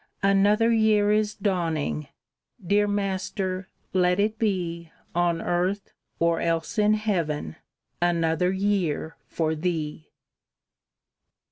Another year is dawning! Dear Master, let it be On earth, or else in heaven, Another year for Thee!